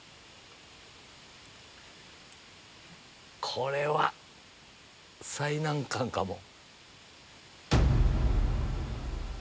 これは最難関かも。